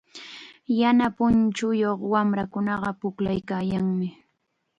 Yana punchuyuq wamrakunaqa pukllaykaayanmi.